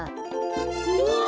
うわ！